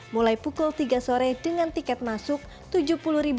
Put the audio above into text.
mulai pukul tiga sore dengan tiket masuk rp tujuh puluh